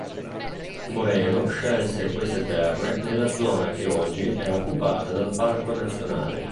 Moreno scelse queste terre nella zona che oggi è occupata dal parco nazionale.